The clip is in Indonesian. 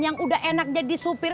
yang udah enak jadi supir